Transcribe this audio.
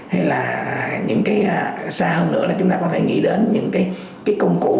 hay là những cái sau nữa là chúng ta có thể nghĩ đến những cái công cụ